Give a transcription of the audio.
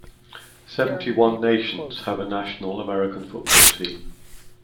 Seventy-one nations have a national American football team.